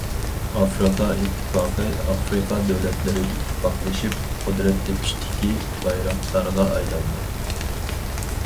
ئافرىقا ئىتتىپاقى، ئافرىقا دۆلەتلىرى ئىتتىپاقلىشىپ قۇدرەت تېپىشتىكى بايراقدارغا ئايلاندى.